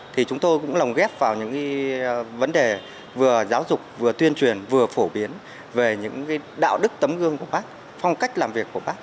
thì chúng tôi cũng lòng ghép vào những vấn đề vừa giáo dục vừa tuyên truyền vừa phổ biến về những đạo đức tấm gương của bác phong cách làm việc của bác